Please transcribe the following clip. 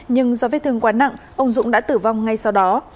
nhưng do vết thương quá nặng ông dũng đã tử vong ngay sau đó